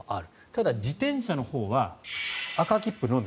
ただ、自転車のほうは赤切符のみ。